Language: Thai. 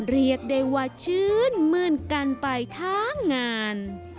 เรียกได้ว่าชื่นมื้นกันไปทั้งงาน